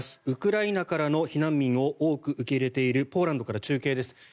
ウクライナからの避難民を多く受け入れているポーランドから中継です。